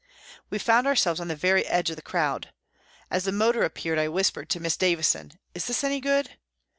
We found ourselves on the very edge of the crowd. As the motor appeared, I whispered to Miss Davison : "Is this any good